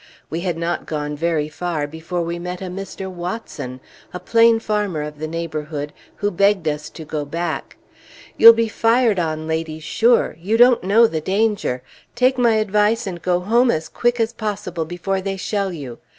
We had not gone very far before we met a Mr. Watson, a plain farmer of the neighborhood, who begged us to go back. "You'll be fired on, ladies, sure! You don't know the danger! Take my advice and go home as quick as possible before they shell you!